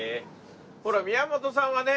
ほら宮本さんはね